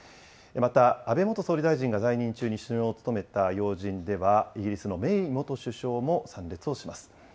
また安倍元総理大臣が在任中に首脳を務めた要人では、イギリスのメイ元首相も参列をします。